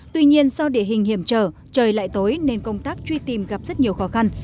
tuy nhiên do địa hình hiểm trở trời lại tối nên công tác truy tìm gặp rất nhiều khó khăn